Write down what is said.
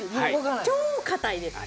超固いです。